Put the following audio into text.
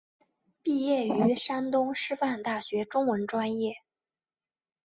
毕业于山东师范大学中文专业。